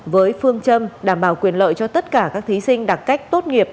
với phương châm đảm bảo quyền lợi cho tất cả các thí sinh đặc cách tốt nghiệp